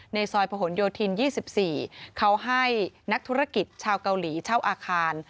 ซอยผนโยธิน๒๔เขาให้นักธุรกิจชาวเกาหลีเช่าอาคาร